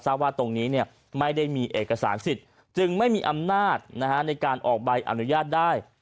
ว่าตรงนี้ไม่ได้มีเอกสารสิทธิ์จึงไม่มีอำนาจในการออกใบอนุญาตได้